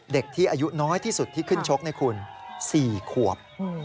เด็กที่อายุน้อยที่สุดที่ขึ้นชกนะคุณ๔ขวบ